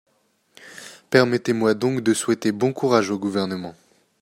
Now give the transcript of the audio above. Permettez-moi donc de souhaiter bon courage au Gouvernement.